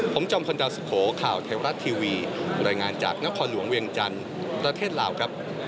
ผมจอมพลดาวสุโขข่าวเทวรัฐทีวีรายงานจากนครหลวงเวียงจันทร์ประเทศลาวครับ